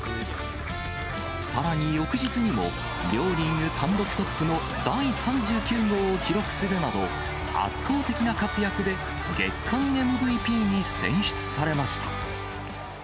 さらに翌日にも、両リーグ単独トップの第３９号を記録するなど、圧倒的な活躍で、月間ＭＶＰに選出されました。